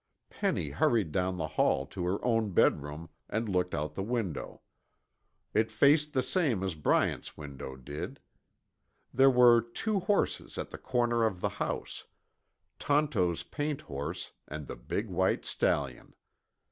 Penny hurried down the hall to her own bedroom and looked out the window. It faced the same as Bryant's window did. There were two horses at the corner of the house: Tonto's paint horse and the big white stallion.